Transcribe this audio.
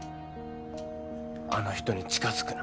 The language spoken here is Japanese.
あの人に近づくな。